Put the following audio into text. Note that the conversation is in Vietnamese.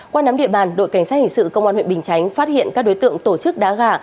qua nắm địa bàn đội cảnh sát hình sự công an huyện bình chánh phát hiện các đối tượng tổ chức đá gà